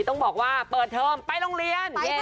ต้องบอกว่าเปิดเทอมไปโรงเรียน